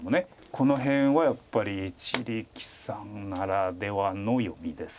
この辺はやっぱり一力さんならではの読みです。